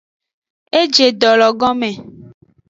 E je edolo gome.